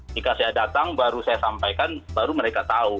jika saya datang baru saya sampaikan baru mereka tahu